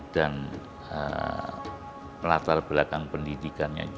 dan latar belakang pendidikannya juga cukup